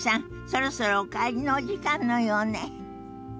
そろそろお帰りのお時間のようね。